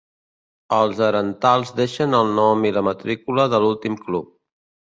Els herentals deixen el nom i la matrícula de l'últim club.